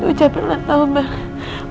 ucapin lantau mbak